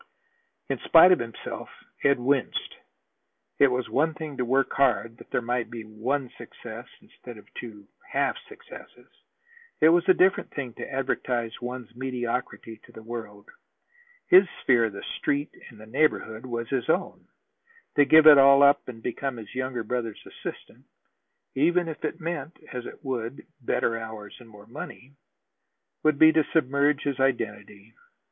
In spite of himself, Ed winced. It was one thing to work hard that there might be one success instead of two half successes. It was a different thing to advertise one's mediocrity to the world. His sphere of the Street and the neighborhood was his own. To give it all up and become his younger brother's assistant even if it meant, as it would, better hours and more money would be to submerge his identity.